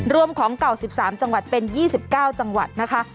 ของเก่า๑๓จังหวัดเป็น๒๙จังหวัดนะคะ